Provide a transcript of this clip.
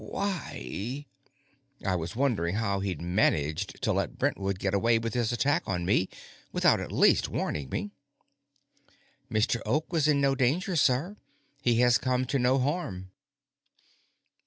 Why?" I was wondering how he'd managed to let Brentwood get away with his attack on me, without at least warning me. "Mr. Oak was in no danger, sir. He has come to no harm."